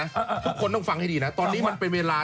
ทุกคนต้องฟังให้ดีนะตอนนี้มันเป็นเวลา